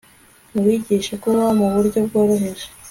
Mubigishe kubaho mu buryo bworoheje